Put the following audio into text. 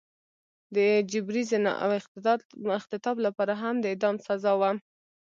د جبري زنا او اختطاف لپاره هم د اعدام سزا وه.